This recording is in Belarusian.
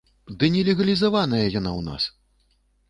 Ды не легалізаваная яна ў нас!